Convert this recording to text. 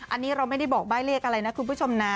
อันนี้เราไม่ได้บอกใบ้เลขอะไรนะคุณผู้ชมนะ